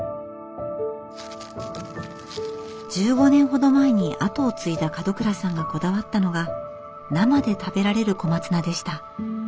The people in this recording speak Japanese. １５年ほど前に後を継いだ門倉さんがこだわったのが生で食べられる小松菜でした。